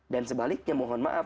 dan sebaliknya mohon maaf